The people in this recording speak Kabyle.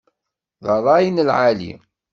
D rray n lεali.